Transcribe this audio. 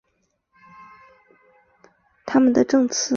在审判德雷福斯时作为证人出庭的将军们不肯修改他们的证词。